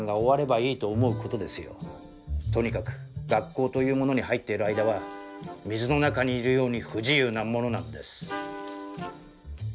とにかく学校というものに入っている間は水の中にいるように不自由なものなんです。